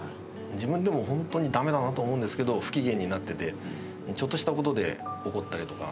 自分でも本当にだめだなと思うんですけど、不機嫌になってて、ちょっとしたことで怒ったりとか。